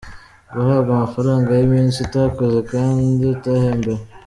Guhabwa amafaranga y’iminsi utakoze kandi utahembewe.